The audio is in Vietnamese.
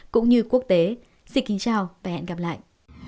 cũng như quốc tế xin kính chào và hẹn gặp lại